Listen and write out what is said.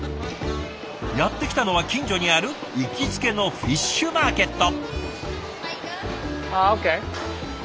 やって来たのは近所にある行きつけのフィッシュマーケット。